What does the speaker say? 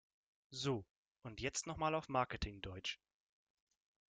So, und jetzt noch mal auf Marketing-Deutsch!